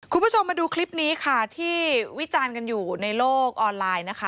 คุณผู้ชมมาดูคลิปนี้ค่ะที่วิจารณ์กันอยู่ในโลกออนไลน์นะคะ